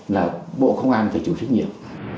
là bộ không an phải chủ trách nhiệm